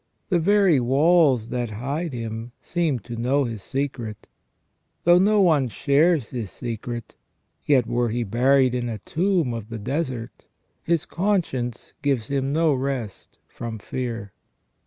The very walls that hide him seem to know his secret. Though no one shares his secret, yet were he buried in a tomb of the desert, his conscience gives him no rest from fear."